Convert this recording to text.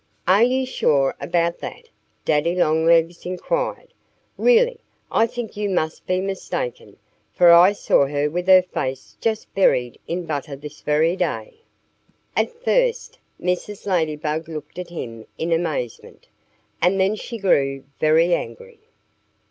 "Are you sure about that?" Daddy Longlegs inquired. "Really, I think you must be mistaken, for I saw her with her face just buried in butter this very day." At first Mrs. Ladybug looked at him in amazement. And then she grew very angry.